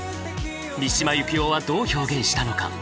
三島由紀夫はどう表現したのか？